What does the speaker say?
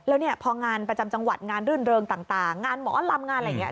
แล้วเนี่ยพองานประจำจังหวัดงานรื่นเริงต่างงานหมอลำงานอะไรอย่างนี้